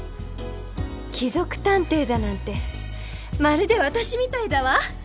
貴族探偵だなんてまるで私みたいだわ！